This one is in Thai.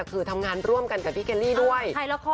คือทำงานร่วมกันกับพี่เคลลี่ด้วย